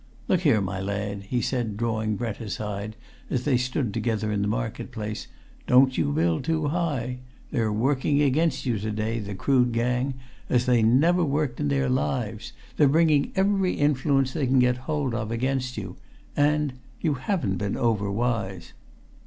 "Look here, my lad," he said, drawing Brent aside as they stood together in the market place, "don't you build too high! They're working against you to day, the Crood gang, as they never worked in their lives! They're bringing every influence they can get hold of against you. And you haven't been over wise."